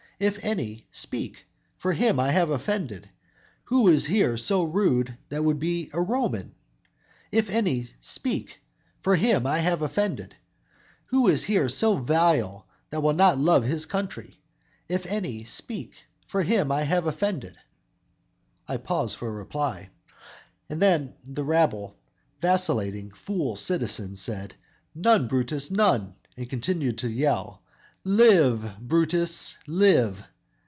If any, speak; for him have I offended. Who is here so rude that would be a Roman? If any, speak; for him have I offended. Who is here so vile that will not love his country? If any, speak; for him have I offended. "I pause for a reply." And then the rabble, vacillating, fool citizens said, "None, Brutus, none," and continue to yell, "Live, Brutus, live!